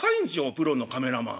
プロのカメラマン。